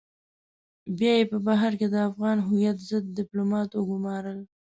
بيا يې په بهر کې د افغان هويت ضد ډيپلومات وگمارل.